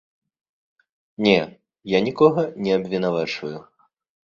Не, я нікога не абвінавачваю.